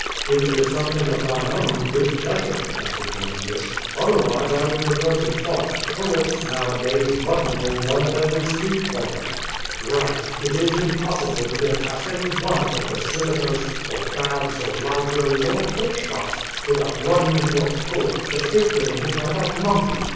"If it is something of thine own — with pleasure," answered Vinitius. Otherwise I would prefer to talk. Poets, now a days, button hole one at every street corner." "Eight. It is impossible to get past any one of the basili cas, or baths, or libraries, or book shops, without running into a poet, gesticulating like a monkey.